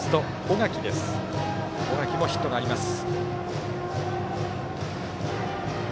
小垣もヒットがあります。